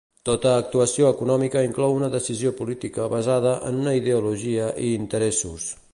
Tota actuació econòmica inclou una decisió política basada en una ideologia i interessos.